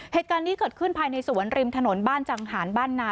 เหตุการณ์นี้เกิดขึ้นภายในสวนริมถนนบ้านจังหารบ้านนา